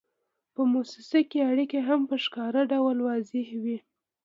په موسسه کې اړیکې هم په ښکاره ډول واضحې وي.